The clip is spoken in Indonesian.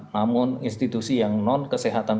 namun institusi yang non kesehatan